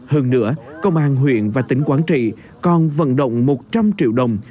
hơn nữa công an huyện và tỉnh quảng trị còn vận động một trăm linh triệu đồng